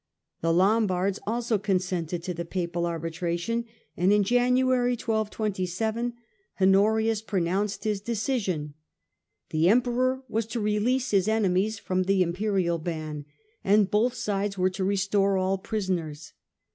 The Lombards also consented to'the Papal arbitration, and in January, 1227, Honorius KING AND EMPEROR 75 pronounced his decision. The Emperor was to release his enemies from the Imperial ban, and both sides were to restore all prisoners.